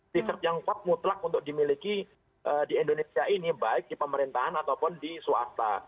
riset yang mutlak untuk dimiliki di indonesia ini baik di pemerintahan ataupun di swasta